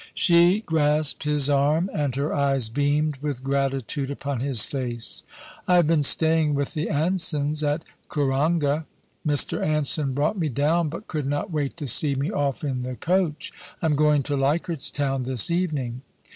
* She grasped his arm, and her eyes beamed with gratitude upon his face. * I have been staying with the Ansons, at Cooranga. Mr. Anson brought me down, but could not wait to see me off in the coach. I am going to Leichardt's Town this evening.